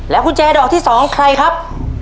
กุญแจดอกที่๒ใครครับ